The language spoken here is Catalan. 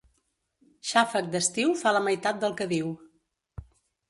Xàfec d'estiu fa la meitat del que diu.